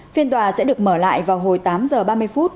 phiên tòa sẽ được mở lại vào hồi tám giờ ba mươi phút